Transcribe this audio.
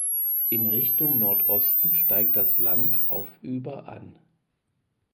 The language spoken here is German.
In Richtung Nordosten steigt das Land auf über an.